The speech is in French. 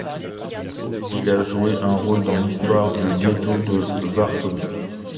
Il a joué un rôle dans l'histoire du ghetto de Varsovie.